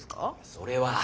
それは。